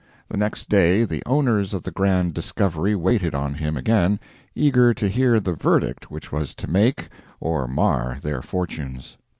The next day the owners of the grand discovery waited on him again, eager to hear the verdict which was to make or mar their fortunes.